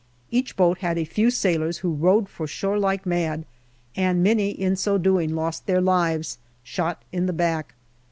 Each boat had a few sailors, who rowed for shore like mad, and many in so doing lost their lives, shot in the back.